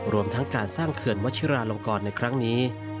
รวมทั้งการสร้างเขื่อนวัชิราลงกรในครั้งนี้